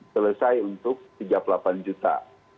selesai untuk tiga puluh delapan juta